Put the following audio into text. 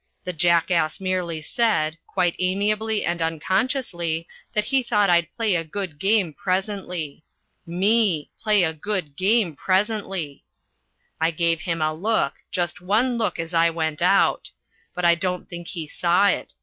The jackass merely said quite amiably and unconsciously that he thought I'd play a good game presently. Me! Play a good game presently! I gave him a look, just one look as I went out! But I don't think he saw it.